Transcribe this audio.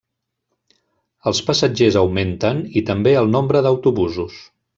Els passatgers augmenten i també el nombre d'autobusos.